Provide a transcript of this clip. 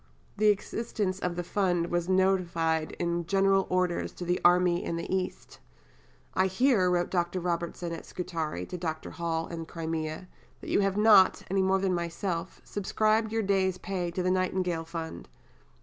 '" The existence of the Fund was notified in General Orders to the army in the East. "I hear," wrote Dr. Robertson at Scutari to Dr. Hall in the Crimea, "that you have not (any more than myself) subscribed your day's pay to the Nightingale Fund.